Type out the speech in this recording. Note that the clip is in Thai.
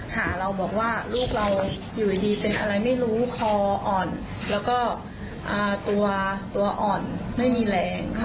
แล้วก็บอกว่าอาจจะส่งผลให้น้องมองไม่เห็น